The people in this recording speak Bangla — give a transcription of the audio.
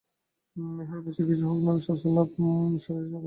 ইহার অভ্যাসে আর কিছু না হউক স্বাস্থ্যলাভ ও শরীরের সাধারণ অবস্থার উন্নতি হইবেই।